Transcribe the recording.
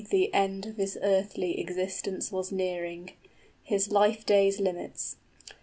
} The end of his earthly existence was nearing, His life days' limits.